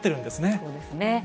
そうですね。